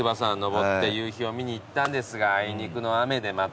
夕日を見に行ったんですがあいにくの。